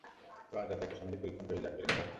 তো, আজরাতে একটা সামাজিক পরীক্ষণ হয়ে যাক, ছেলে-মেয়েরা।